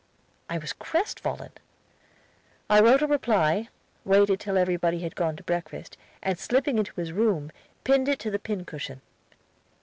I was crestfallen! I wrote a reply, waited till everybody had gone to breakfast, and slipping into his room, pinned it to the pincushion.